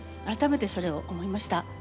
改めてそれを思いました。